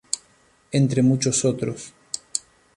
Entre muchos otros.